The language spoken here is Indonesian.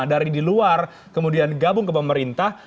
dari di luar kemudian gabung ke pemerintah